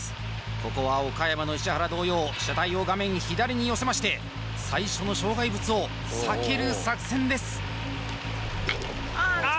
ここは岡山の石原同様車体を画面左に寄せまして最初の障害物を避ける作戦ですああ！